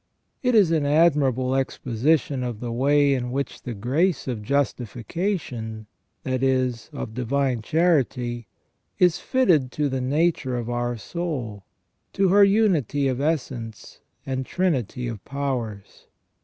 It is an admirable exposition of the way in which the grace of justification, that is, of divine charity, is fitted to the nature of our soul, to her unity of essence and trinity of powers.